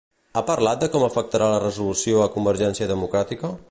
Ha parlat de com afectarà la resolució a Convergència Democràtica?